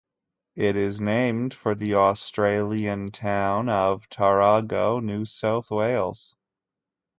It is named for the Australian town of Tarago, New South Wales.